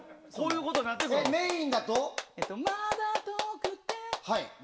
メインだと？